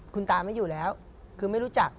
คุณตาไม่อยู่แล้วคือไม่รู้จัก